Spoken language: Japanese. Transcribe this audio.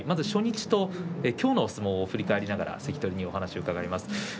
初日ときょうの相撲を振り返りながらお話を伺います。